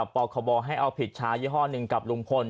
โปรครบลให้เอาผิดชาวย้อภณ์๑กับลุงพล